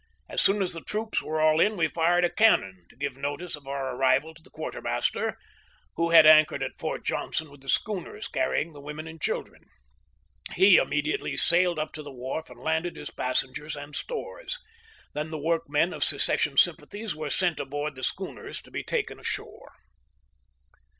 As soon as the troops were all in we fired a cannon, to give notice of our arrival to the quartermaster, who had anchored at Fort Johnson with the schooners carrying the women and children. He immediately sailed up to the wharf and landed his passengers and stores. Then the workmen of secession sym pathies were sent aboard the schooners to be taken ashore.